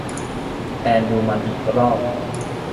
แทนดูมันอีกรอบ